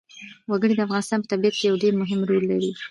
وګړي د افغانستان په طبیعت کې یو ډېر مهم رول لري.